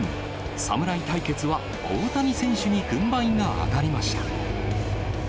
侍対決は大谷選手に軍配が上がりました。